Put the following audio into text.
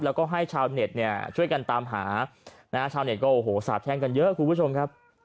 แล้วก็ให้ชาวเน็ตช่วยกันตามหาชาวเน็ตก็โอ้โหสาบแท้งกันเยอะครับคุณผู้ชมครับ